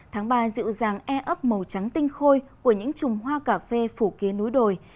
tháng ba dịu dàng e ấp màu trắng tinh khôi của những trùng hoa cà phê phủ kia núi đồi